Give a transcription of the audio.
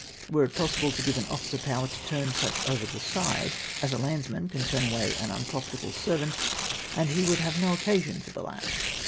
Were it possible to give an officer power to turn such over the side, as a landsman can turn away an unprofitable servant, and he would have no occasion for the lash.